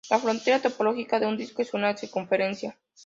La "frontera topológica" de un disco es una circunferencia.